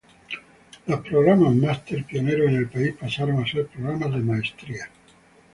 Los programas Máster, pioneros en el país, pasaron a ser programas de Maestría.